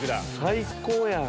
最高やん！